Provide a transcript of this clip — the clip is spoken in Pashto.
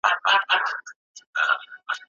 چی دا اصطلاح د ډیرو لیکلو حقوقو ته کارول کیږی